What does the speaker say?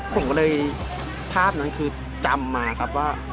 ผมก็เลยภาพนั้นคือจำมาครับว่า